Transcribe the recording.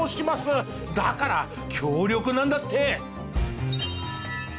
だから強力なんだって！